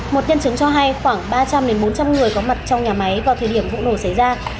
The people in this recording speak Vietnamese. một nhân chứng cho hay khoảng ba trăm linh bốn trăm linh người có mặt trong nhà máy vào thời điểm vụ nổ xảy ra